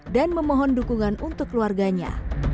dan memohon dukungan untuk keluarganya